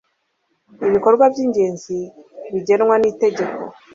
i ibikorwa by ingenzi bigenwa nitegeko